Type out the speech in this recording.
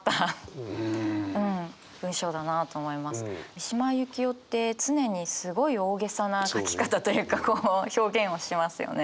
三島由紀夫って常にすごい大げさな書き方というかこう表現をしますよね。